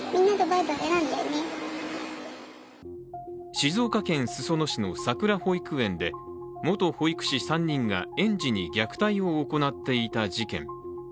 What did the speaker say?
静岡県裾野市のさくら保育園で、元保育士３人が、園児に虐待を行っていた事件。